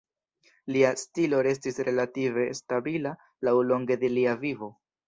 Lia stilo restis relative stabila laŭlonge de lia vivo.